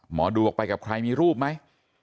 หมอดูออกไปกับใครมีรูปไหม